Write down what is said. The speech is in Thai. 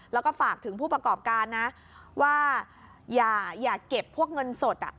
แล้วก็ฝากถึงผู้ประกอบการนะว่าอย่าเก็บพวกเงินสด